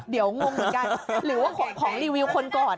เดี๋ยวงงเหมือนกันหรือว่าของรีวิวคนก่อน